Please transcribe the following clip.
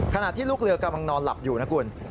ขณะที่ลูกเรือกำลังนอนหลับอยู่นะคุณ